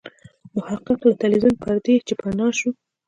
محقق له ټلویزیون پردې چې پناه شو.